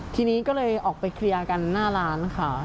ทีนี้ก็เลยออกไปเคลียร์กันหน้าร้านค่ะ